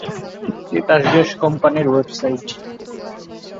Titas gas কোম্পানীর website